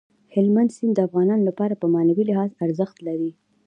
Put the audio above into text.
هلمند سیند د افغانانو لپاره په معنوي لحاظ ارزښت لري.